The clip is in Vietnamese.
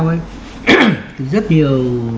thì rất nhiều